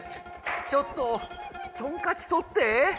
ちょっとトンカチとって！